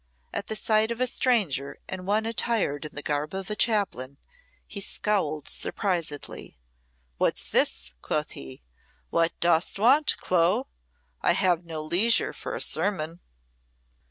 At the sight of a stranger and one attired in the garb of a chaplain, he scowled surprisedly. "What's this?" quoth he. "What dost want, Clo? I have no leisure for a sermon."